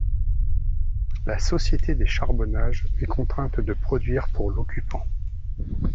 La société des charbonnages est contrainte de produire pour l’occupant.